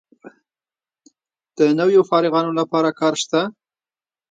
د نویو فارغانو لپاره کار شته؟